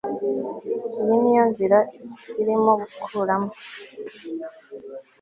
Iyi ni yo nzira urimo gukuramo